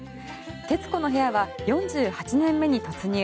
「徹子の部屋」は４８年目に突入。